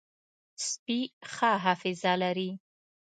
سپي ښه حافظه لري.